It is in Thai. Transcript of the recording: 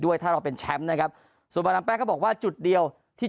ถ้าเราเป็นแชมป์นะครับส่วนบาดามแป้งก็บอกว่าจุดเดียวที่